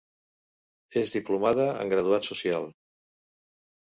És diplomada en graduat social.